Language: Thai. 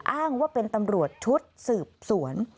อ้างว่าเป็นตำรวจชุดสืบสวน